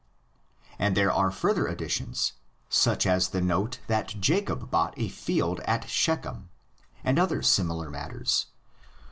And there are further addi tions, such as the note that Jacob bought a field at Shechem, and other similar matters.